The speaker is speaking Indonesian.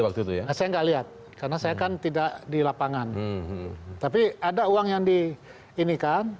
waktu itu ya saya enggak lihat karena saya kan tidak di lapangan tapi ada uang yang di ini kan